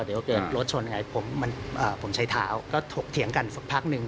เดี๋ยวเกิดรถชนยังไงผมใช้เท้าก็ถกเถียงกันสักพักหนึ่ง